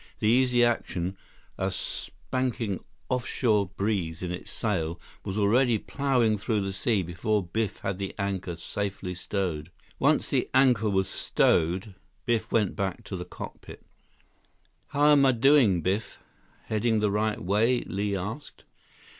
The Easy Action, a spanking off shore breeze in its sail, was already plowing through the sea before Biff had the anchor safely stowed. Once the anchor was stowed, Biff went back to the cockpit. "How'm I doing, Biff? Heading the right way?" Li asked.